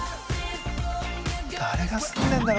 誰が住んでるんだろう